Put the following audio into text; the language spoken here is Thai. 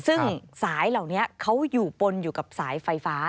ซึ่งสายเหล่านี้เขาอยู่ปนอยู่กับสายไฟฟ้า